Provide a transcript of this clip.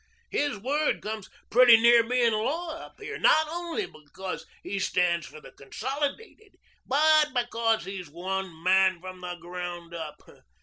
His word comes pretty near being law up here, not only because he stands for the Consolidated, but because he's one man from the ground up.